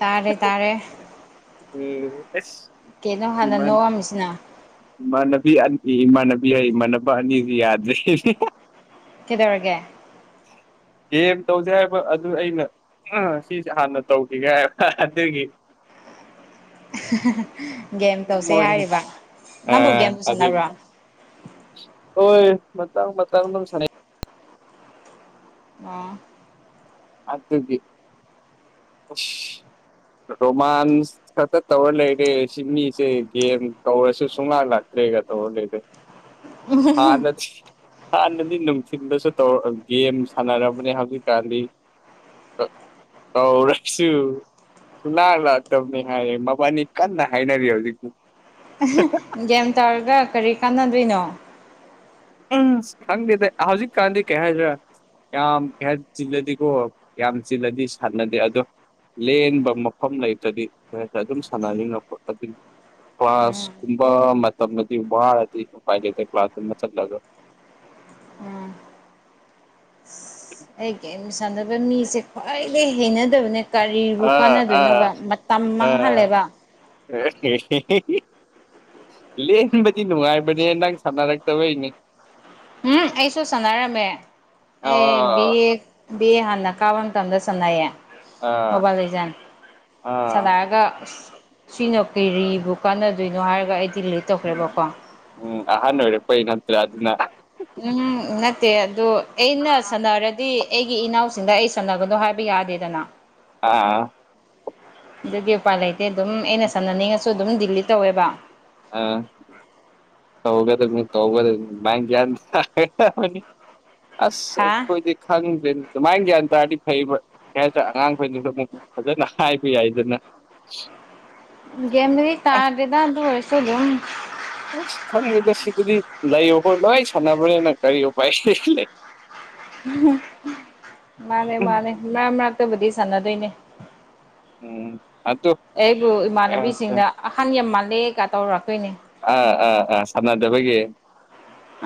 ꯇꯥꯔꯦ ꯇꯥꯔꯦ ꯎꯝ ꯑꯦꯁ ꯀꯩꯅꯣ ꯍꯥꯟꯅ ꯏꯃꯥꯟ ꯅꯣꯛꯑꯝꯃꯤꯁꯤꯅ ꯏꯃꯥꯟꯅꯕꯤ ꯑꯅꯤ ꯏꯃꯥꯟꯅꯕꯤ ꯑꯩ ꯏꯃꯥꯟꯅꯕ ꯑꯅꯤꯒꯤ ꯌꯥꯗ꯭ꯔꯦ ꯀꯩꯗꯧꯔꯒꯦ [inaudible] ꯒꯦꯝ ꯇꯧꯁꯦ ꯍꯥꯏꯕ ꯑꯗꯨ ꯑꯩꯅ ꯁꯤꯁꯦ ꯍꯥꯟꯅ ꯇꯧꯈꯤꯒꯦ ꯍꯥꯏꯕ ꯑꯗꯨꯒꯤ ꯒꯦꯝ ꯇꯧꯁꯦ ꯃꯣꯏꯅ ꯍꯥꯏꯔꯤꯕ ꯅꯪꯕꯨ ꯑꯥ ꯒꯦꯝꯕꯨ ꯑꯗꯨꯒꯤ ꯁꯥꯟꯅꯕ꯭ꯔꯣ ꯍꯣꯏ ꯃꯇꯥꯡ ꯃꯇꯝ ꯑꯗꯨꯝ ꯁꯥꯟꯅꯩ ꯑꯣ ꯑꯗꯨꯒꯤ ꯔꯣꯃꯥꯟꯁ ꯈꯛꯇ ꯇꯧꯔ ꯂꯩꯔꯦ ꯁꯤ ꯃꯤꯁꯦ ꯒꯦꯝ ꯀꯧꯔꯁꯨ ꯁꯨꯡꯂꯥꯡ ꯂꯥꯛꯇ꯭ꯔꯦꯒ ꯇꯧꯔ ꯂꯩꯔꯦ ꯍꯥꯟꯅ ꯍꯥꯟꯅꯗꯤ ꯅꯨꯡꯊꯤꯟꯗꯁꯨ ꯇꯧꯔ ꯒꯦꯝ ꯁꯥꯟꯅꯔꯕꯅꯦ ꯍꯧꯖꯤꯛꯀꯥꯟꯗꯤ ꯇꯧꯔꯁꯨ ꯁꯨꯛꯂꯥꯛ ꯂꯥꯛꯇꯕꯅꯦ ꯍꯥꯏꯌꯦ ꯃꯕꯥꯅꯤ ꯀꯟꯅ ꯍꯥꯏꯅꯔꯤ ꯍꯧꯖꯤꯛ ꯒꯦꯝ ꯇꯧꯔꯒ ꯀꯔꯤ ꯀꯥꯟꯅꯗꯣꯏꯅꯣ ꯎꯝ ꯈꯪꯗꯦꯗ ꯍꯧꯖꯤꯛꯀꯥꯟꯗꯤ ꯀꯩ ꯍꯥꯏꯒꯗ꯭ꯔ ꯌꯥꯝ ꯀꯩ ꯍꯥꯏ ꯆꯤꯜꯂꯗꯤꯀꯣ ꯌꯥꯝ ꯆꯤꯜꯂꯗꯤ ꯁꯥꯟꯅꯗꯦ ꯑꯗꯣ ꯂꯦꯟꯕ ꯃꯐꯝ ꯂꯩꯇ꯭ꯔꯗꯤ ꯈ꯭ꯔ ꯈ꯭ꯔ ꯑꯗꯨꯝ ꯁꯥꯟꯅꯃꯤꯟꯅ ꯄꯥꯁ ꯀꯨꯝꯕ ꯃꯇꯝꯗꯤꯚꯗꯤ ꯎꯄꯥꯏ ꯀ꯭ꯂꯥꯁ ꯔꯝ ꯆꯠꯂꯒ ꯎꯝ ꯑꯩ ꯒꯦꯝ ꯁꯥꯟꯅꯕ ꯃꯤꯁꯦ ꯈ꯭ꯋꯥꯏꯗꯒꯤꯩ ꯍꯩꯅꯗꯕꯅꯦ ꯀꯔꯤꯕꯨ ꯑꯥ ꯑꯥ ꯀꯥꯟꯅꯗꯣꯏꯅꯣꯕ ꯃꯇꯝ ꯑꯥ ꯃꯥꯡꯍꯜꯂꯦꯕ [unintelligible] ꯂꯦꯟꯕꯗꯤ ꯅꯨꯡꯉꯥꯏꯕꯅꯦ ꯅꯪ ꯁꯥꯟꯅꯔꯛꯇꯕꯩꯅꯦ ꯎꯝ ꯑꯩꯁꯨ ꯁꯅꯥꯔꯃꯦꯃꯦ ꯑꯦ ꯑꯥ ꯕꯤꯁ ꯕꯤ ꯑꯦ ꯍꯥꯟꯅ ꯀꯥꯕ ꯃꯇꯝꯗ ꯁꯟꯅꯌꯦ ꯑꯥ ꯃꯣꯕꯥꯏꯜ ꯂꯩꯖꯥꯟ ꯑꯥ ꯁꯗꯒ ꯁꯤꯅ ꯀꯔꯤꯕꯨ ꯀꯥꯟꯅꯗꯣꯏꯅꯣ ꯍꯥꯏꯔꯒ ꯑꯩ ꯗꯤꯂꯤꯠ ꯇꯧꯈ꯭ꯔꯦꯕꯀꯣ ꯎꯝ ꯑꯍꯟ ꯑꯣꯏꯔꯛꯄꯩ ꯅꯠꯇ꯭ꯔ ꯑꯗꯨꯅ ꯎꯝ ꯅꯠꯇꯦ ꯑꯗꯨ ꯑꯩꯅ ꯁꯥꯟꯅꯔꯗꯤ ꯑꯩꯒꯤ ꯏꯅꯥꯎꯁꯤꯡꯗ ꯑꯩ ꯁꯥꯟꯅꯕꯗꯣ ꯍꯥꯏꯕ ꯌꯥꯗꯦꯗꯅ ꯑꯥ ꯑꯗꯨꯗꯤ ꯎꯄꯥꯏ ꯂꯩꯇꯦ ꯑꯗꯨꯝ ꯑꯩꯅ ꯁꯥꯅꯅꯤꯡꯉꯖꯨ ꯑꯗꯨꯝ ꯗꯤꯂꯤꯠ ꯇꯧꯋꯦꯕ ꯑꯥ ꯇꯧꯒ ꯇꯧꯒ ꯊ ꯍꯥ ꯑꯁꯣꯏ ꯈꯪꯗꯔꯦ ꯑꯗꯨꯃꯥꯏ ꯒꯌꯥꯟ ꯇꯥꯔꯗꯤ ꯐꯩꯕ꯫ ꯀꯩ ꯍꯥꯏꯗ꯭ꯔꯥ ꯑꯉꯥꯡ [unintelligible] ꯐꯖꯅ ꯍꯥꯏꯕ ꯌꯥꯏꯗꯅ ꯦꯦꯝ ꯑꯁ ꯇꯥꯔꯔꯗ ꯑꯗꯨ ꯑꯣꯏꯔꯁ ꯑꯗꯨꯝ ꯑꯁ ꯈꯪꯗꯦꯗ ꯁꯤꯕꯨꯗꯤ ꯂꯩꯌꯣꯈꯣꯏ ꯂꯣꯏ ꯁꯥꯟꯅꯕꯅꯤꯅ ꯀꯔꯤ ꯎꯄꯥꯏꯁꯤ ꯂꯩ꯫ ꯃꯥꯅꯦ ꯎꯝ ꯃꯥꯅꯦ ꯃꯔꯛ ꯃꯔꯛꯇꯕꯨꯗꯤ ꯁꯥꯟꯅꯗꯣꯏꯅꯦ ꯎꯝ ꯑꯗꯨ ꯑꯩꯕꯨ ꯑꯥ ꯏꯃꯥꯟꯅꯕꯤꯁꯤꯡꯅ ꯑꯍꯟ ꯌꯥꯝ ꯃꯥꯜꯂꯦꯒ ꯇꯧꯔꯛꯛꯇꯣꯏꯅꯦ ꯑꯥ ꯑꯥ ꯑꯥ ꯁꯥꯟꯅꯗꯕꯒꯤ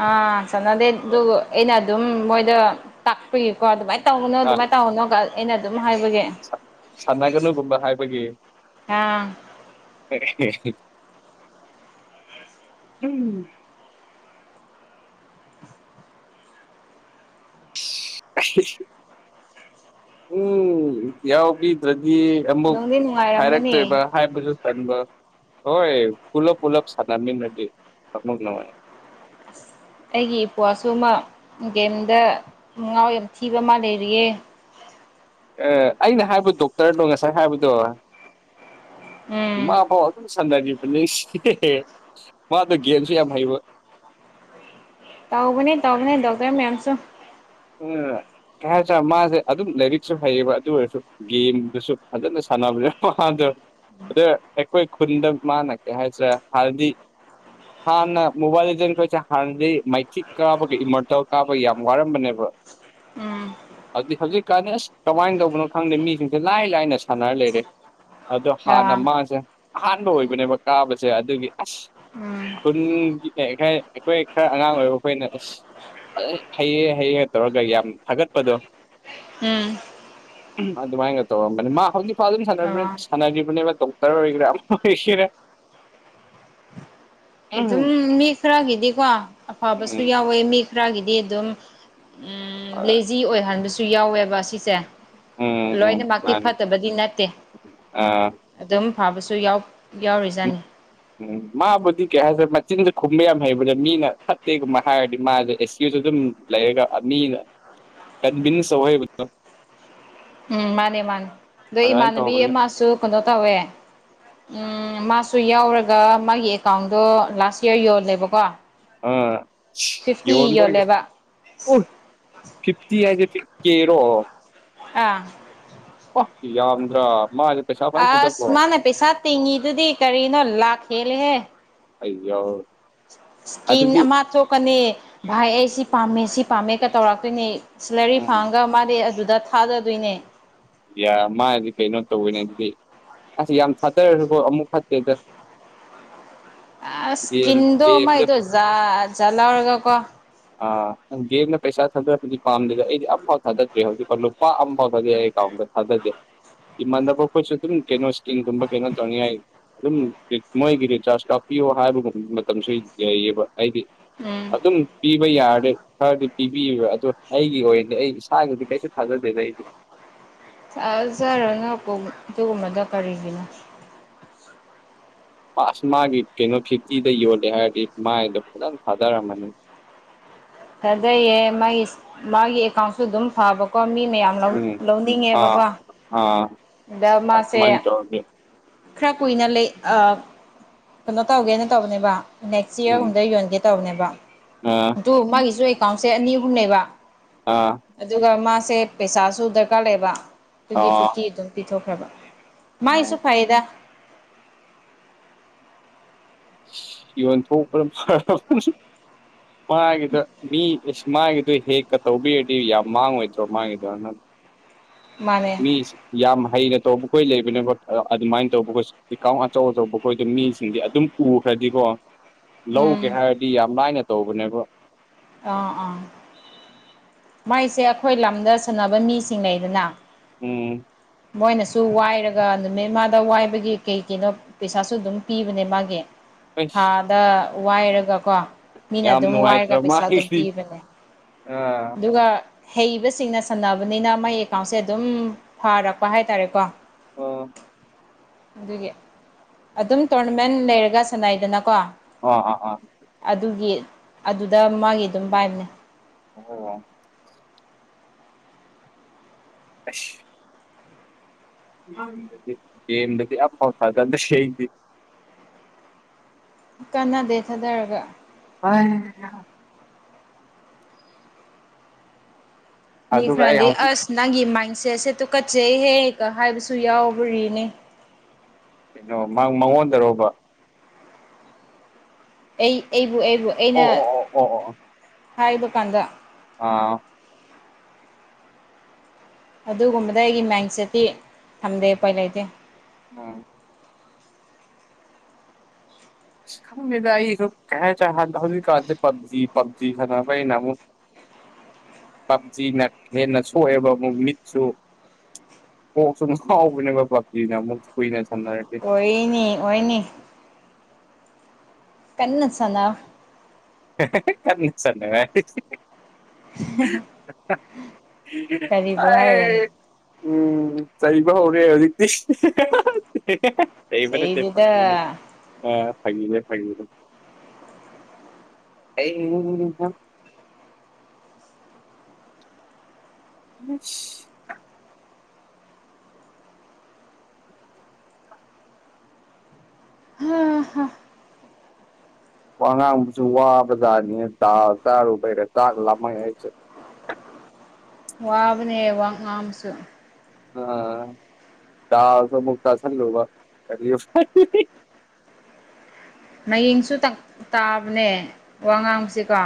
ꯑꯥ [unintelligible] ꯑꯗꯨꯒ ꯑꯩꯅ ꯑꯗꯨꯝ ꯃꯣꯏꯗ ꯇꯥꯛꯄꯤꯒꯤꯀꯣ ꯑꯗꯨꯃꯥꯏꯅ ꯇꯧꯒꯅꯣ ꯑꯥ ꯑꯗꯨꯃꯥꯏꯅ ꯇꯧꯒꯅꯣꯒ ꯑꯩꯅ ꯑꯗꯨꯝ ꯍꯥꯏꯕꯒꯤ ꯁꯥꯟꯅꯒꯅꯨꯒꯨꯝꯕ ꯍꯥꯏꯕꯒꯤ ꯑꯥ ꯎꯝ ꯎꯝ ꯌꯥꯎꯕꯤꯗ꯭ꯔꯗꯤ ꯀꯩꯏꯝꯕꯣꯛ ꯅꯨꯡꯗꯤ ꯍꯥꯏꯔꯛ ꯅꯨꯡꯉꯥꯏꯔꯝꯒꯅꯤ ꯇ꯭ꯔꯦꯕ꯫ ꯍꯥꯏ ꯄꯁꯨ ꯊꯕ ꯍꯣꯏ ꯄꯨꯂꯞ ꯎꯂꯞ ꯁꯥꯟꯅꯃꯤ ꯅꯠꯇ ꯊꯃꯛ ꯅꯅꯥꯉꯥꯏ ꯑꯩꯒꯤ ꯏꯄ꯭ꯋꯥꯁꯨ ꯑꯃ ꯒꯦꯝꯗ ꯃꯉꯥꯎ ꯌꯥꯝ ꯊꯤꯕ ꯑꯃ ꯂꯩꯔꯤꯌꯦ ꯑꯦ ꯑꯩꯅ ꯍꯥꯏꯕ ꯗꯣꯛꯇꯔꯗꯣ ꯉꯁꯥꯏ ꯍꯥꯏꯕꯗꯣ ꯎꯝ ꯃꯥꯕꯣ ꯁꯨꯝ ꯁꯥꯟꯅꯔꯤꯕꯅꯦ ꯃꯥꯗꯣ ꯒꯦꯝꯁꯨ ꯌꯥꯝ ꯍꯩꯕ ꯇꯥꯎꯕꯅꯤ ꯇꯥꯎꯕꯅꯤ ꯗꯣꯛꯇꯔ ꯃꯌꯥꯝꯁꯨ ꯎꯝ ꯀꯩ ꯍꯥꯏꯇꯥꯔꯦ ꯃꯥꯁꯦ ꯑꯗꯨꯝ ꯂꯥꯏꯔꯤꯛꯁꯨ ꯍꯩꯌꯦꯕ ꯑꯗꯨ ꯑꯣꯏꯔꯁꯨ ꯒꯦꯝꯗꯨꯁꯨ ꯐꯖꯅ ꯁꯥꯟꯅꯕꯅꯦꯗ ꯑꯗ ꯑꯩꯈꯣꯏ ꯈꯨꯟꯗ ꯃꯥꯅ ꯀꯩ ꯍꯥꯏꯁꯤꯔ ꯍꯥꯟꯅꯗꯤ꯫ ꯍꯥꯟꯅ ꯃꯣꯕꯥꯏꯜ ꯂꯤꯖꯦꯟꯈꯣꯏꯁꯦ ꯍꯥꯟꯅꯗꯤ ꯃꯥꯏꯊꯤꯛ ꯀꯥꯕꯒꯤ ꯏꯃꯣꯔꯇꯦꯜ ꯀꯥꯕꯒ ꯌꯥꯝ ꯋꯥꯔꯝꯕꯅꯦꯕ ꯋꯥ ꯎꯝ꯫ ꯑꯗꯨꯗꯤ ꯍꯧꯖꯤꯛꯀꯥꯟ ꯑꯁ ꯀꯃꯥꯏꯅ ꯇꯧꯕꯅꯣ ꯈꯪꯗꯦ ꯃꯤꯁꯤꯡꯁꯦ ꯂꯥꯏ ꯂꯥꯏꯅ ꯁꯥꯟꯅꯔ ꯂꯩꯔꯦ ꯑꯗꯣ ꯍꯥꯟꯅ ꯑꯥ ꯃꯥꯁꯦ ꯑꯍꯥꯟꯕ ꯑꯣꯏꯕꯅꯦꯕ ꯀꯥꯕꯁꯦ ꯑꯗꯨꯒꯤ ꯑ ꯎꯝ ꯈꯨ [unintelligible] ꯑꯩꯈꯣꯏ ꯈꯔ ꯑꯉꯥꯡ ꯑꯣꯏꯕ ꯑꯩꯈꯣꯏꯅ ꯑꯁ ꯐꯖꯅ ꯍꯩ ꯍꯩꯌꯦ ꯇꯧꯔꯒ ꯌꯥꯝ ꯊꯥꯒꯠꯄꯗꯣ ꯎꯝ ꯑꯗꯨꯃꯥꯏꯅ ꯇꯧꯔꯝꯕꯅꯤ ꯃꯥ ꯍꯧꯖꯤꯛꯐꯥꯎ ꯑꯗꯨꯝ ꯑꯥ ꯁꯥꯟꯅꯔꯤꯕꯅꯦꯅꯧ ꯇ ꯑꯩꯒ꯭ꯔꯝ ꯏꯁꯦꯦ ꯑꯗꯨꯝ ꯎꯝ ꯃꯤ ꯈꯔꯒꯤꯗꯤꯀꯣ ꯑꯐꯕꯁꯨ ꯎꯝ ꯌꯥꯎꯋꯦ ꯃꯤ ꯈꯔꯒꯤꯗꯤ ꯑꯗꯨꯝ ꯎꯝ ꯂꯦꯖꯤ ꯑꯣꯏꯍꯟꯕꯁꯨ ꯌꯥꯎꯋꯦꯕ ꯁꯤ ꯁꯦ ꯎꯝ ꯎꯝ ꯂꯣꯏꯅꯃꯛꯇꯤ ꯃꯥꯅꯤ ꯐꯠꯇꯕꯗꯤ ꯅꯠꯇꯦ ꯑꯥ ꯑꯗꯨꯝ ꯐꯥꯕꯁꯨ ꯌꯥꯎ ꯌꯥꯎꯔꯤꯖꯥꯠꯅꯤ ꯎꯝ ꯃꯥꯕꯨꯗꯤ ꯀꯩ ꯍꯥꯏꯁꯔꯦ ꯃꯆꯤꯟꯗ ꯈꯨꯝꯕ ꯌꯥꯝ ꯍꯩꯕꯗ ꯃꯤꯅ ꯐꯠꯇꯦꯒꯨꯝꯕ ꯍꯥꯏꯔꯗꯤ ꯃꯥꯁꯦ ꯑꯦꯁꯀ꯭ꯌꯨꯁ ꯑꯗꯨꯝ ꯂꯩꯔꯒ ꯃꯤꯅ ꯀꯟꯚꯤꯟꯁꯧꯍꯕꯗꯣ ꯎꯝ ꯃꯥꯅꯦ ꯃꯥꯅꯦ ꯑꯗꯣ ꯏꯃꯥꯟꯅꯕꯤ ꯇꯧꯕꯅꯦ ꯑꯃꯁꯨ ꯀꯩꯅꯣ ꯇꯧꯋꯦ ꯃꯥꯁꯨ ꯌꯥꯎꯔꯒ ꯃꯥꯒꯤ ꯑꯦꯀꯥꯎꯟꯗꯣ ꯂꯥꯁ ꯌꯔ ꯌꯣꯜꯂꯦꯕꯀꯣ ꯑ ꯐꯤꯐꯇꯤ ꯌꯣꯟꯕꯣꯏ ꯌꯣꯜꯂꯦꯕ ꯑꯣꯏ ꯐꯤꯞꯇꯤ ꯍꯥꯏꯗꯤ ꯐꯤꯞ ꯀꯦꯔꯣ꯫ ꯑꯥ꯫ ꯑꯣ ꯌꯥꯝꯗ꯭ꯔꯥ ꯃꯥꯏꯗꯣ ꯑꯁ ꯃꯥꯅ ꯄꯩꯁꯥ ꯇꯤꯡꯉꯤꯗꯨꯗꯤ ꯀꯔꯤꯅꯣ ꯂꯥꯛ ꯍꯦꯜꯂꯦꯍꯦ ꯑꯩ ꯏꯁꯀꯤꯟ ꯑꯗꯨꯗꯤ ꯑꯃ ꯊꯣꯛꯣꯛꯀꯅꯤ ꯚꯥꯏ ꯑꯩ ꯁꯤ ꯄꯥꯝꯃꯦ ꯁꯤ ꯄꯥꯝꯃꯦꯒ ꯇꯧꯔꯛꯇꯣꯏꯅꯦ ꯁꯤꯂꯔꯤ ꯎꯝ ꯐꯥꯝꯒ ꯃꯥꯗꯤꯩ ꯑꯗꯨꯗ ꯊꯥꯗꯗꯣꯏꯅꯦ ꯌꯥꯔ ꯃꯥꯗꯤ ꯀꯩꯅꯣ ꯇꯧꯕꯩꯅꯦ ꯑꯗꯨꯗꯤ ꯑꯁ ꯌꯥꯝ ꯊꯥꯗꯔꯁꯨꯀꯣ ꯑꯃꯨꯛ ꯐꯠꯇꯦꯗ [inaudible] ꯑꯁ ꯒꯦꯝ ꯀꯤꯟꯗꯣ ꯒꯦꯝꯗ ꯃꯥꯥꯏꯗꯣ ꯖꯥ ꯖ ꯂꯧꯔꯒ ꯀꯣ ꯑꯥ ꯒꯦꯝꯗ ꯄꯩꯁꯥ ꯊꯥꯗꯕꯗꯤ ꯄꯥꯝꯗꯦꯗ ꯑꯩꯗꯤ ꯑꯝꯐꯥꯎ ꯊꯥꯗꯗ꯭ꯔꯤ ꯍꯧꯖꯤꯛꯐꯥꯎ ꯂꯨꯄꯥ ꯑꯝꯐꯥꯎ ꯊꯥꯗꯩ ꯑꯩ ꯑꯦꯀꯥꯎ꯭ꯟꯗ ꯊꯥꯗꯗꯦ ꯏꯃꯥꯟꯅꯕ ꯑꯩꯈꯣꯏꯁꯨ ꯑꯗꯨꯝ ꯀꯩꯅꯣ ꯏꯁꯀꯤꯟꯒꯨꯝꯕ ꯀꯩꯅꯣ ꯇꯧꯅꯤꯡꯉꯥꯏ ꯑꯗꯨꯝ ꯀꯩ ꯃꯣꯏꯒꯤ ꯔꯤꯆꯥꯔꯖ ꯀꯥꯄꯤꯌꯣ ꯍꯥꯏꯕꯒꯨꯝꯕ ꯃꯇꯝꯁꯨ ꯂꯩꯌꯦꯕ ꯑꯩꯒꯤ ꯎꯝ ꯑꯗꯨꯝ ꯄꯤꯕ ꯌꯥꯔꯗꯤ ꯈꯔꯗꯤ ꯄꯤꯕꯤꯌꯦꯕ ꯑꯗꯨ ꯑꯩꯒꯤ ꯑꯣꯏꯅꯗꯤ ꯑꯩ ꯏꯁꯥꯒꯤꯗꯤ ꯀꯩꯁꯨ ꯊꯥꯖꯗꯦꯗ ꯑꯩꯗꯤ ꯊꯥꯖꯔꯅꯨ ꯀꯣꯝ ꯑꯗꯨꯒꯨꯝꯕꯗꯣ ꯀꯔꯤꯒꯤꯅꯣ ꯄꯥꯁ ꯃꯥꯒꯤ ꯀꯩꯅꯣ ꯐꯤꯞꯇꯤꯗ ꯌꯣꯜꯂꯦ ꯍꯥꯏꯔꯗꯤ ꯃꯥꯏꯗꯣ ꯐꯖꯅ ꯊꯥꯗꯔꯝꯃꯅꯤ ꯊꯥꯗꯩꯌꯦ ꯃꯥꯒꯤꯁ ꯃꯥꯒꯤ ꯑꯦꯀꯥꯎꯟꯁꯨ ꯑꯗꯨꯝ ꯐꯕꯀꯣ ꯃꯤ ꯃꯌꯥꯝ ꯂꯧ ꯎꯝ ꯑꯥ ꯂꯧꯅꯤꯡꯉꯦꯕꯀꯣ ꯑꯥ ꯑꯗ ꯃꯥꯁꯦ ꯑꯗꯨꯃꯥꯏꯅ ꯇꯧꯔꯗꯤ ꯈꯔ ꯀꯨꯏꯅ ꯂꯩ ꯑ ꯀꯩꯅꯣ ꯇꯧꯒꯦꯅ ꯇꯧꯕꯅꯦꯕ ꯅꯦꯛꯁ ꯏꯌ꯭ꯔ ꯎꯝ ꯒꯨꯝꯕꯗ ꯌꯣꯟꯒꯦ ꯇꯧꯕꯅꯦꯕ ꯑꯥ ꯑꯇꯨ ꯃꯥꯒꯤꯁꯨ ꯑꯦꯀꯥꯎꯟꯁꯦ ꯑꯅꯤ ꯑꯍꯨꯝꯅꯦꯕ ꯑꯥ ꯑꯗꯨꯒ ꯃꯥꯁꯦ ꯄꯩꯁꯥꯁꯨ ꯗ꯭ꯔꯀꯥꯔ ꯂꯩꯑꯦꯕ ꯑꯗꯨꯒꯤ ꯑꯥ ꯐꯤꯞꯇꯤ ꯑꯗꯨꯝ ꯄꯤꯊꯣꯛꯈ꯭ꯔꯕ ꯃꯥꯥꯏꯁꯨ ꯎꯝ ꯐꯩꯌꯦꯗ ꯌꯣꯟꯊꯣꯛꯄ꯭ꯔꯝ ꯐꯔꯕ꯭ꯔꯁꯨ ꯃꯥꯒꯤꯗ ꯃꯤ ꯃꯥꯒꯤꯗꯣ ꯍꯦꯛꯀ ꯇꯧꯕꯤꯔꯗꯤ ꯌꯥꯝ ꯃꯥꯡꯉꯣꯏꯗ꯭ꯔꯣ ꯃꯥꯒꯤꯗꯣ ꯃꯥꯅꯦ ꯃꯤ ꯌꯥꯝ ꯍꯩꯅ ꯇꯧꯕꯈꯣꯏ ꯂꯩꯕꯅꯦꯀꯣ ꯑꯗꯨꯃꯥꯏꯅ ꯇꯧꯕ ꯈꯣꯏꯁꯦ ꯋꯤꯀꯥꯎꯟ ꯑꯆꯧ ꯑꯆꯧꯕ ꯈꯣꯏꯗ ꯃꯤꯁꯤꯡꯗꯤ ꯑꯗꯨꯝ ꯎꯈ꯭ꯔꯗꯤꯀꯣ ꯂꯧꯒꯦ ꯎꯝ ꯍꯥꯏꯔꯗꯤ ꯌꯥꯝ ꯂꯥꯏꯅ ꯇꯧꯕꯅꯦꯕ ꯑꯥ ꯑꯥ ꯃꯥꯏꯁꯦ ꯑꯩꯈꯣꯏ ꯂꯝꯗ ꯁꯥꯟꯅꯕ ꯃꯤꯁꯤꯡ ꯂꯩꯗꯅ ꯎꯝ ꯃꯣꯏꯅꯁꯨ ꯋꯥꯏꯔꯒ ꯅꯨꯃꯤꯠꯃꯥꯗ ꯋꯥꯏꯕꯒꯤ ꯀꯩ ꯀꯤꯅꯣ ꯄꯩꯁꯥꯁꯨ ꯑꯗꯨꯝ ꯄꯤꯕꯅꯦ ꯃꯥꯒꯤ ꯑꯩꯁ ꯊꯥꯗ ꯋꯥꯏꯔꯒꯀꯣ ꯃꯤꯅ ꯌꯥꯝ ꯑꯗꯨꯝ ꯋꯥꯏꯔꯒ ꯅꯨꯡꯉꯥꯏꯇ꯭ꯔ ꯄꯩꯁꯥ ꯑꯗꯨꯝ ꯃꯥꯒꯤꯗꯤ ꯄꯤꯕꯅꯦ ꯑꯥ ꯑꯗꯨꯒ ꯍꯩꯕꯁꯤꯡꯅ ꯁꯥꯟꯅꯕꯅꯤꯅ ꯃꯥꯏ ꯑꯦꯀꯥꯎꯟꯁꯦ ꯑꯗꯨꯝ ꯐꯥꯔꯛꯄ ꯍꯥꯏꯇꯥꯔꯦꯀꯣ ꯑ ꯑꯗꯨꯒꯤ ꯑꯗꯨꯝ ꯇꯣꯔꯅꯃꯦꯟꯠ ꯂꯩꯔꯒ ꯁꯥꯟꯅꯩꯗꯅꯀꯣ ꯑꯣ ꯑꯥ ꯑꯥ ꯑꯗꯨꯒꯤ ꯑꯗꯨꯗ ꯃꯥꯒꯤ ꯑꯗꯨꯝ ꯄꯥꯏꯕꯅꯦ ꯑꯗꯨꯂꯣꯡ ꯑꯩꯁ ꯗꯦꯝꯗꯗꯤ ꯗꯤ ꯑꯦꯝꯗꯗꯤ ꯑꯝꯐꯥꯎ ꯊꯥꯖꯟꯗꯦ ꯁꯤꯑꯩꯗꯤ ꯀꯥꯅꯗꯦ ꯊꯥꯗꯔꯒ [unintelligible] ꯃꯤ ꯑꯗꯨꯒ ꯑꯩ ꯈꯔꯅꯗꯤ ꯍꯧꯖꯤꯛ ꯑꯁ ꯅꯪꯒꯤ ꯃꯥꯏꯟꯁꯦꯠꯁꯦ ꯇꯨꯀꯠꯆꯩꯍꯦꯒ ꯍꯥꯏꯕꯁꯨ ꯌꯥꯎꯕꯔꯤꯅꯤ ꯀꯩꯅꯣ ꯃꯥꯛ ꯃꯪꯉꯣꯟꯗꯔꯣꯕ ꯑꯩ ꯑꯩꯕꯨ ꯑꯩꯕꯨ ꯑꯩꯅ ꯑꯣ ꯑꯣ ꯑꯣ ꯑꯣ ꯑꯣ ꯍꯥꯏꯕ ꯀꯥꯟꯗ ꯑꯥ ꯑꯗꯨꯒꯨꯝꯕꯗ ꯑꯩꯒꯤ ꯃꯥꯏꯟꯁꯦꯠꯇꯤ ꯊꯝꯗꯦ ꯎꯄꯥꯏ ꯂꯩꯇꯦ ꯎꯝ ꯑꯁ ꯈꯪꯗꯦꯗꯥ ꯑꯩ ꯀꯩ ꯍꯥꯏꯖꯤꯔ ꯍꯥꯟ ꯍꯧꯖꯤꯛꯀꯥꯟꯖꯦ ꯄꯞꯖꯤ ꯄꯞꯖꯤ ꯁꯥꯅꯔꯛꯄꯩ ꯑꯩꯅ ꯑꯃꯨꯛ ꯄꯞꯖꯤꯅ ꯍꯦꯟꯅ ꯁꯣꯛꯑꯦꯕ ꯑꯃꯨꯛ ꯃꯤꯠꯁꯨ ꯀꯣꯛꯁꯨꯨꯟ ꯉꯥꯎꯕꯅꯦꯕ ꯄꯞꯖꯤꯅ ꯑꯃꯨꯛ ꯀꯨꯏꯅ ꯁꯟꯅꯔꯗꯤ ꯑꯣꯏꯅꯤ ꯑꯣꯏꯅꯤ ꯀꯟꯅ ꯁꯥꯅꯧ [inaudible] [unintelligible] ꯀꯔꯤꯕꯨ ꯍꯥꯏꯔꯨꯔꯅꯤ ꯎꯝ ꯆꯩꯕ ꯍꯧꯔꯦ ꯍꯧꯖꯤꯛꯇꯤ꯫ [unintelligible] ꯆꯩꯕ ꯅꯠꯇꯦ ꯁꯤꯗꯩꯗꯨꯗ ꯐꯥꯒꯤꯅꯤ ꯑ ꯐꯥꯒꯤꯅꯦ ꯐꯥꯒꯤ꯫ [unintelligible] [unintelligible] [unintelligible] ꯋꯥꯉꯥꯡꯕꯁꯨ ꯋꯥꯕ ꯖꯥꯠꯅꯤ ꯗꯥꯜ ꯆꯥꯔꯨꯕꯩꯔ ꯆꯥꯛ ꯂꯥꯃꯩ ꯑꯩꯁꯨ꯫ ꯋꯥꯕꯅꯦ ꯋꯥ ꯉꯥꯡꯕꯁꯨ꯫ ꯑ ꯗꯥꯜꯁꯨ ꯑꯃꯨꯛ ꯆꯥꯁꯜꯂꯨꯕ꯫ [unintelligible] ꯃꯌꯦꯡꯁꯨ ꯇꯥ ꯇꯥꯕꯅꯦ ꯋꯥ ꯉꯥꯡꯕꯁꯤꯀꯣ꯫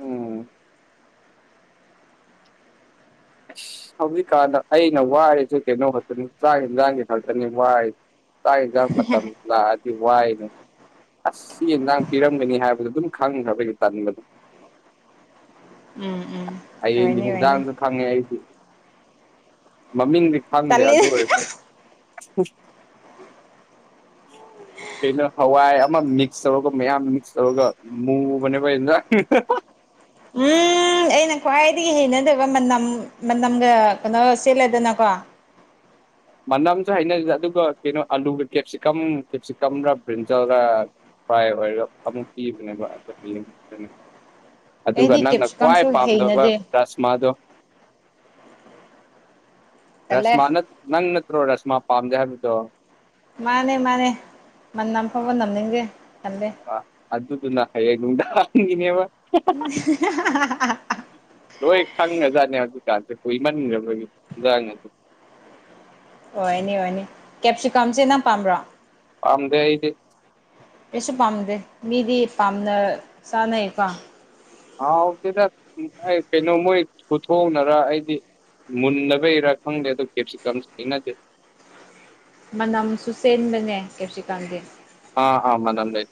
ꯎꯝ꯫ ꯑꯁ ꯍꯧꯖꯤꯛꯀꯥꯟꯗ ꯑꯩꯅ ꯋꯥꯔꯤꯖꯦ ꯀꯩꯅꯣ ꯈꯛꯇꯅꯤ ꯆꯥꯛ ꯏꯟꯖꯥꯡꯒꯤ ꯈꯛꯇꯅꯤ ꯋꯥꯔꯤꯖꯦ꯫ ꯆꯥꯛ ꯍꯤꯟꯖꯥꯡ ꯃꯇꯝ ꯂꯥꯛꯑꯗꯤ ꯋꯥꯏꯅꯦ꯫ ꯑꯁ ꯁꯤ ꯍꯦꯟꯖꯥꯡ ꯄꯤꯔꯝꯒꯅꯤ ꯍꯥꯏꯕꯗꯨꯣ ꯑꯗꯨꯝ ꯈꯪꯈ꯭ꯔꯕꯒꯤ ꯇꯟꯕꯅꯤ꯫ ꯎꯝ ꯎꯝ ꯍꯌꯦꯡꯗꯤ ꯑꯣꯏꯅꯤ ꯑꯣꯏꯅꯤ ꯍꯤꯟꯖꯥꯡꯁꯨ ꯈꯪꯉꯦ ꯑꯩꯗꯤ ꯃꯃꯤꯡꯗꯤ ꯈꯪꯗꯦ ꯇꯜꯂꯤ ꯑꯗꯨ ꯑꫭꯏꯔꯁꯨ꯫ [unintelligible] ꯀꯩꯅꫭ ꯍꯋꯥꯏ ꯑꯃ ꯃꯤꯛꯁ ꯇꯧꯔꯒ ꯃꯌꯥꯝ ꯃꯤꯛꯁ ꯇꯧꯔꯒ ꯃꯨꯕꯅꯦꯕꯅ ꯍꯤꯟꯖꯥꯡ꯫ [unintelligible] [unintelligible] ꯑꯩꯅ ꯈ꯭ꯋꯥꯏꯗꯒꯤ ꯍꯩꯅꯗꯕ ꯃꯅꯝ ꯃꯅꯝꯒ ꯀꯩꯅꯣ ꯆꯦꯠꯂꯗꯅꯀꯣ꯫ ꯃꯅꯝꯁꯨ ꯍꯥꯏꯅꯗꯦꯗ ꯑꯗꯨꯒ ꯀꯩꯅꯣ ꯑꯂꯨꯒ ꯀꯦꯞꯁꯤꯀꯝ ꯀꯦꯞꯁꯤꯀꯝꯔ ꯕ꯭ꯔꯤꯟꯖꯜꯔꯥ ꯐ꯭ꯔꯥꯏ ꯑꯣꯏꯔꯒ ꯑꯃꯨꯛ ꯄꯤꯕꯅꯦꯕ ꯑꯗꯨꯅ ꯑꯗꯨꯒ ꯑꯩꯗꯤ ꯅꯪꯅ ꯈ꯭ꯋꯥꯏ ꯀꯦꯞꯁꯤꯀꯝꯁꯨ ꯄꯥꯝꯗꯕ ꯍꯩꯅꯗꯦ ꯔꯁꯃꯥꯗꯣ꯫ ꯇꯜꯂꯦ ꯔꯁꯃꯥ ꯅꯠ ꯅꯪ ꯅꯠꯇ꯭ꯔꯣ ꯔꯥꯁꯃꯥ ꯄꯥꯝꯗꯦ ꯍꯥꯏꯕꯗꯣ꯫ ꯃꯥꯅꯦ-ꯃꯥꯅꯦ ꯃꯅꯝ ꯐꯧꯕ ꯅꯝꯅꯤꯡꯗꯦ ꯇꯜꯂꯦ꯫ ꯑ ꯑꯗꯨꯗꯨ ꯅ ꯍꯌꯦꯡ ꯅꯨꯡꯗꯒꯤꯅꯦꯕ꯫ [unintelligible] ꯂꯣꯏ ꯈꯪꯉꯖꯥꯠꯅꯦ ꯍꯧꯖꯤꯛꯀꯥꯟꯖꯦ ꯀꯣꯏꯃꯟꯒ꯭ꯔꯕꯒꯤ꯫ [inaudible] ꯑꯣꯏꯅꯤ-ꯑꯣꯏꯅꯤ ꯀꯦꯞꯁꯤꯀꯥꯝꯁꯤ ꯅꯪ ꯄꯥꯝꯕ꯭ꯔꯣ꯫ ꯄꯥꯝꯗꯦ ꯑꯩꯗꯤ꯫ ꯀꯩꯁꯨ ꯄꯥꯝꯗꯦ ꯃꯤꯗꯤ ꯄꯥꯝꯅ ꯆꯥꯅꯩꯀꯣ꯫ ꯍꯥꯎꯇꯦꯗ ꯑꯩ ꯀꯩꯅꯣ ꯃꯣꯏ ꯈꯨꯊꯣꯛꯅꯔ ꯑꯩꯗꯤ ꯃꯨꯟꯗꯕꯩꯔꯥ ꯈꯪꯗꯦ ꯑꯗꯣ ꯀꯦꯞꯁꯤꯀꯝꯁꯤ ꯍꯩꯅꯗꯦ꯫ ꯃꯅꯝꯁꯨ ꯆꯦꯟꯕꯅꯦ ꯀꯦꯞꯁꯤꯀꯝꯗꯤ꯫ ꯑꯥ ꯑꯥ ꯃꯅꯝ ꯂꯩ꯫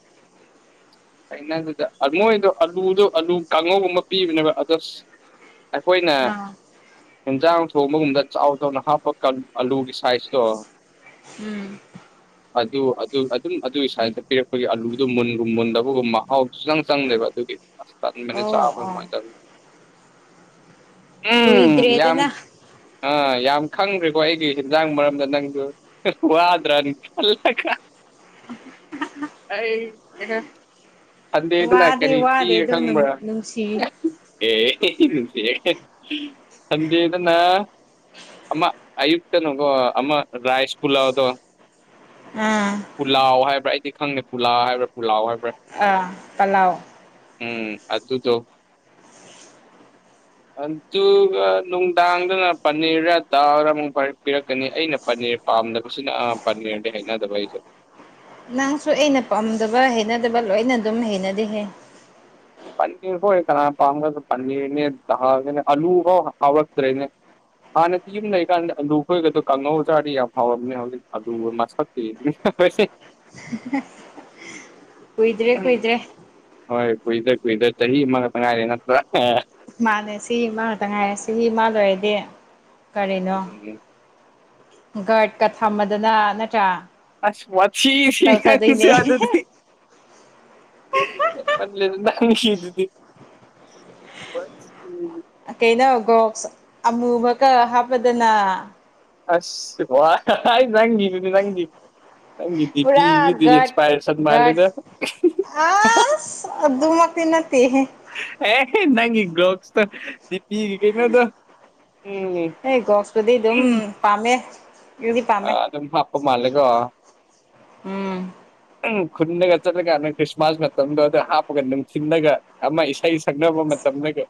ꯍꯩꯅꯗꯦꯗ ꯑ ꯃꯣꯏꯗꯣ ꯑꯥꯂꯨꯗꯣ ꯑꯥꯂꯨ ꯀꯥꯡꯉꯧꯒꯨꯝꯕ ꯄꯤꯕꯅꯦꯕ ꯑꯗꯁ ꯑꯩꯈꯣꯏꯅ ꯑꯥ ꯍꯦꯟꯖꯥꯡ ꯊꯣꯡꯕꯒꯨꯝꯗ ꯆꯥꯎ ꯆꯥꯎꯅ ꯍꯥꯞꯄ ꯀ ꯑꯂꯨꯒꯤ ꯁꯥꯏꯖꯇꯣ꯫ ꯎꯝ꯫‌ ꯑꯗꯨ ꯑꯗꯨ ꯑꯗꯨꯝ ꯑꯗꯨꯒꯤ ꯁꯥꯁꯏꯗ ꯄꯤꯔꯛꯄꯒꯤ ꯑꯂꯨꯗꫭ ꯃꯨꯟꯒꯨꯝ ꯃꯨꯟꯗꯕꯒꯨꯝ ꯃꯍꯥꯎ ꯆꯪꯪ ꯆꯪꯗꯦꯕ ꯑꯗꯨꯒꯤ ꯑꯁ ꯇꯟꯕꯅꯦ ꯑꯣ ꯆꯥꯕ ꯑꯣ ꯅꯨꯡꯉꯥꯏꯇꯕꯅꯤ꯫ ꯌꯥꯝ ꯀꯨꯏꯗ꯭ꯔꯦꯗꯅ꯫ ꯑꯥ ꯌꯥꯝ ꯈꯪꯒ꯭ꯔꯦꯀꯣ ꯑꯩꯒꯤ ꯍꯤꯟꯖꯥꯡ ꯃꯔꯝꯗ ꯅꯪꯖꯨ꯫ ꯍ ꯋꯥꯗ꯭ꯔ ꯈꯜꯂꯒ [unintelligible] [unintelligible] ꯁꯟꯗꯦꯗꯅ ꯋꯥꯗꯤ ꯀꯔꯤ ꯋꯥꯗꯦ ꯄꯤꯒꯦ ꯑꯗꯨ ꯈꯪꯕ꯭ꯔꯥ꯫ ꯅꯨꯡꯁꯤ ꯑꯦ [unintelligible] ꯁꯟꯗꯦꯗꯅ ꯑꯃ ꯑꯌꯨꯛꯇꯅꯨꯒꯣ ꯑꯃ ꯔꯥꯏꯁ ꯄꯨꯂꯥꯎꯗꯣ꯫ ꯎꯝ꯫ ꯄꯨꯂꯥꯎ ꯍꯥꯏꯕ꯭ꯔꯥ ꯑꯩꯗꯤ ꯈꯪꯗꯦ ꯄꯨꯂꯥꯥꯎ ꯍꯥꯏꯕ꯭ꯔꯥ ꯄꯨꯂꯥꯎ ꯍꯥꯏꯕ꯭ꯔꯥ ꯑꯥ ꯄꯜꯂꯥꯎꯑ ꯎꯝ ꯑꯗꯨꯗꯣ ꯑꯗꯨꯒ ꯅꯨꯡꯗꯥꯡꯗꯅ ꯄꯅꯤꯔ ꯗꯥꯎꯔ ꯑꯃꯨꯛ ꯄꯥꯏꯔ ꯄꯤꯔꯛꯀꯅꯤ ꯑꯩꯅ ꯄꯅꯤꯔ ꯄꯥꯝꯗꯕꯁꯤꯅ ꯑꯥ ꯄꯅꯤꯔꯗꯤ ꯍꯅꯗꯕ ꯑꯩꯁꯨ ꯅꯪꯁꯨ ꯑꯩꯅ ꯄꯥꯝꯗꯕ ꯍꯩꯅꯗꯕ ꯂꯣꯏꯅ ꯑꯗꯨꯝ ꯍꯩꯅꯗꯤꯍꯦ ꯄꯅꯤꯔ ꯐꯥꯎ ꯀꯅꯥ ꯄꯥꯝꯒꯗ ꯄꯅꯤꯔꯅꯦ ꯑꯂꯨ ꯐꯥꯎ ꯍꯧꯎꯔꯛꯇ꯭ꯔꯦꯅꯦ ꯍꯥꯟꯅꯗꯤ ꯌꯨꯝ ꯂꯩꯩꯔꯤꯀꯥꯟꯗ ꯑꯂꯨ ꯈꯣꯏꯒꯗꯣ ꯀꯥꯡꯉꯧ ꯖꯥꯔꯗꯤ ꯌꯥꯝ ꯍꯥꯎꯔꯝꯃꯦꯅꯦ ꯍꯧꯖꯤꯛ ꯑꯗꯨꯒ ꯃꯁꯛ ꯎꯁꯦ [inaudible] ꯀꯨꯏꯗ꯭ꯔꯦ ꯀꯨꯏꯗ꯭ꯔꯦ꯫ ꯍꯣꯏ ꯀꯨꯏꯗ꯭ꯔꯦ ꯀꯨꯏꯗ꯭ꯔꯦ ꯆꯍꯤ ꯑꯃꯈꯛꯇ ꯉꯥꯏꯔꯦ ꯅꯠꯇ꯭ꯔꯥ꯫ ꯃꯥꯅꯦ ꯆꯥꯁꯤ ꯑꯃꯥ ꯈꯥꯛꯇ ꯉꯥꯏꯔꯦ ꯆꯁꯤ ꯑꯃ ꯂꯣꯏꯔꯗꯤ ꯀꯔꯤꯅꯣ ꯒꯥꯔꯗꯀ ꯊꯝꯃꯗꯅ ꯅꯠꯇ꯭ꯔꯥ ꯑꯁ ꯋꯥꯊꯤꯗꯤ ꯅꯪꯁꯨ ꯇꯧꯊꯗꯣꯏꯅꯦ ꯑꯗꯨꯗꯤ ꯇꯜꯂꯦꯗ ꯅꯪꯒꯤꯗꯨꯗꯤ꯫ [unintelligible] ꯀꯩꯅꯣ ꯒꯣꯛꯁ ꯑꯃꯨꯕꯒ ꯍꯥꯞꯄꯗꯅ꯫ ꯑꯁ ꯋꯥ ꯅꯪꯒꯤꯗꯨꯗꯤ ꯅꯪꯒꯤ꯫ ꯄꯨꯔꯥ ꯅꯪꯒꯤꯗꯨꯗꯤ ꯒꯥꯔꯗ ꯑꯦꯛꯁꯄꯥꯏꯔꯁ ꯑꯗꯨ ꯒꯥꯔꯗ ꯃꯥꯂꯦꯗ ꯑꯁ ꯑꯗꯨꯃꯛꯇꯤ ꯅꯠꯇꯦꯍꯦ꯫ ꯑꯦ ꯅꯪꯒꯤ ꯒꯣꯛꯁꯇꯣ꯫ ꯗꯤꯄꯤꯒꯤ ꯀꯩꯅꯣꯗ ꯎꯝ ꯎ ꯑꯩ ꯒ꯭ꯔꯣꯛꯁꯄꯨꯗꯤ ꯑꯗꯨꯝ ꯄꯥꯝꯃꯦ ꯑꯗꯨꯗꯤ ꯑ ꯄꯥꯝꯃꯦ ꯑꯗꯨꯝ ꯍꯥꯞꯄ ꯃꯥꯂꯦꯀꯣ꯫ ꯎꯝ ꯎ ꯈꯨꯟꯗꯒ ꯆꯠꯂꯀꯥꯟꯗ ꯈ꯭ꯔꯤꯁꯃꯥꯁ ꯃꯇꯝꯗꯣ ꯑꯗꯨꯗ ꯍꯥꯞꯄꯒ ꯅꯨꯡꯊꯤꯜꯗꯒ ꯑꯃ ꯏꯁꯩ ꯁꯛꯅꯕ ꯃꯇꯝꯗꯒ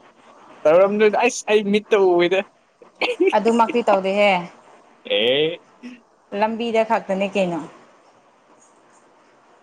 ꯇꯧꯔꯝꯗꯣꯏꯗꯣ ꯑꯩꯁ ꯑꯩ ꯃꯤꯠꯇ ꯑꯨꯏꯗ꯫ ꯑꯗꯨꯃꯛꯇꯤ ꯇꯧꯗꯦꯍꯦ꯫ ꯑꯦ ꯂꯝꯕꯤꯗ ꯈꯛꯇꯅꯦ ꯀꯩꯅꯣ